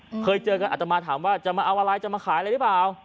เคยเจอกันอัตมาถามว่าจะมาเอาอะไรจะมาขายอะไรหรือเปล่า